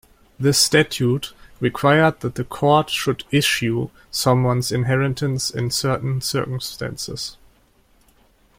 This statute required that the court should "issue" someone's inheritance in certain circumstances.